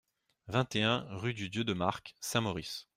vingt et un, rue du Dieu-de-Marcq, Saint-Maurice.